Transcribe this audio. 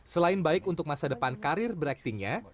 selain baik untuk masa depan karir beraktingnya